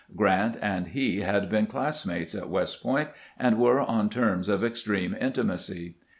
Grant and he had been classmates at West Point, and were on terms of extreme intimacy.